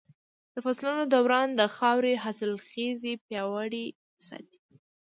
د فصلونو دوران د خاورې حاصلخېزي پياوړې ساتي.